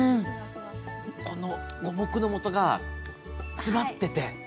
この五目のもとが詰まってて。